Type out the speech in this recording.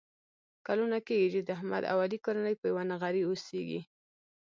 کلونه کېږي چې د احمد او علي کورنۍ په یوه نغري اوسېږي.